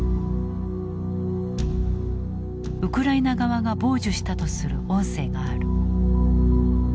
ウクライナ側が傍受したとする音声がある。